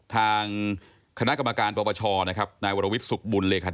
ทางคณะกรรมการประประชอนายวรวิทย์สุขบุญเลยค่ะ